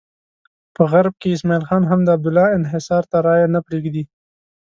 په غرب کې اسماعیل خان هم د عبدالله انحصار ته رایې نه پرېږدي.